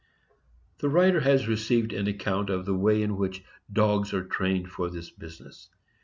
The writer has received an account of the way in which dogs are trained for this business.